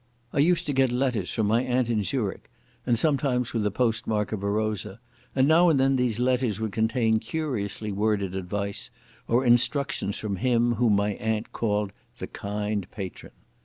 I used to get letters from my aunt in Zurich, sometimes with the postmark of Arosa, and now and then these letters would contain curiously worded advice or instructions from him whom my aunt called "the kind patron".